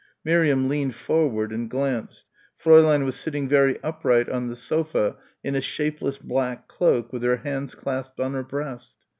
Miriam leaned forward and glanced. Fräulein was sitting very upright on the sofa in a shapeless black cloak with her hands clasped on her breast.